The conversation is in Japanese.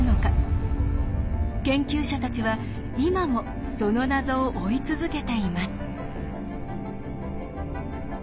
研究者たちは今もその謎を追い続けています。